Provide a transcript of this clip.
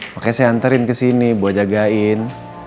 makanya saya anterin kesini gue jagain